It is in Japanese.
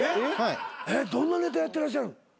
えっどんなネタやってらっしゃるん？